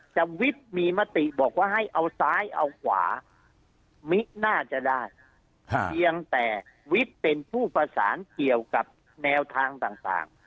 วิทย์มีมติบอกว่าให้เอาซ้ายเอาขวามิน่าจะได้เพียงแต่วิทย์เป็นผู้ประสานเกี่ยวกับแนวทางต่าง